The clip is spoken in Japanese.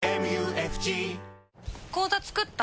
口座作った？